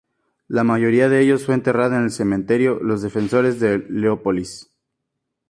La mayoría de ellos fue enterrada en el Cementerio de los Defensores de Leópolis.